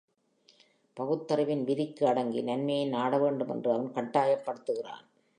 பகுத்தறிவின் விதிக்கு அடங்கி நன்மையை நாட வேண்டும் என்று அவன் கட்டாயப் படுத்தப்படுகிறான்.